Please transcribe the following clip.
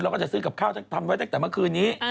แล้วจะซื้อกับข้าวทำเมื่อคืนนี้